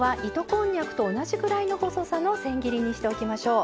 こんにゃくと同じくらいの細さの千切りにしておきましょう。